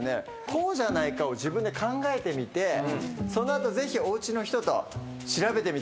「こうじゃないか？」を自分で考えてみてその後ぜひおうちの人と調べてみてください。